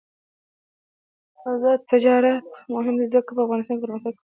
آزاد تجارت مهم دی ځکه چې افغانستان پرمختګ کوي.